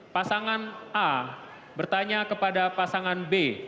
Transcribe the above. pasangan a bertanya kepada pasangan b